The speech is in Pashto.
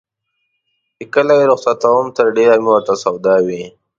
چې کله یې رخصتوم تر ډېره مې ورته سودا وي.